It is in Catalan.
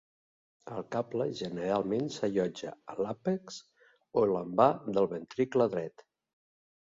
El cable generalment s'allotja a l'àpex o l'envà del ventricle dret.